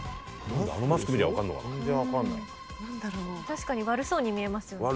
確かに悪そうに見えますよね。